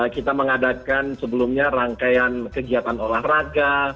kita mengadakan sebelumnya rangkaian kegiatan olahraga